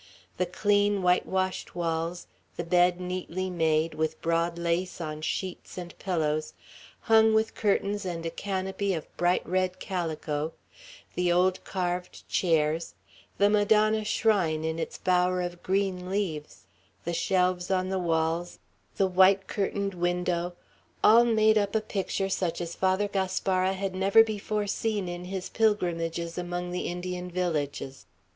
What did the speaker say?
The clean whitewashed walls, the bed neatly made, with broad lace on sheets and pillows, hung with curtains and a canopy of bright red calico, the old carved chairs, the Madonna shrine in its bower of green leaves, the shelves on the walls, the white curtained window, all made up a picture such as Father Gaspara had never before seen in his pilgrimages among the Indian villages.